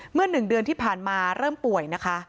เมื่อ๑เดือนที่ผ่านมาเริ่มป่วยนะคะ